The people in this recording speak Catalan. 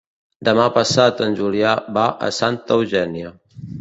Demà passat en Julià va a Santa Eugènia.